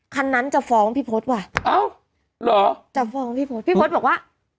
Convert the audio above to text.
คันนั้นจะฟ้องพี่โพสต์ว่ะเอ้าหรอจะฟ้องพี่โพสต์พี่โพสต์บอกว่า